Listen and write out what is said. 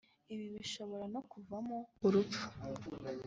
ibi bishobora no kuvamo urupfu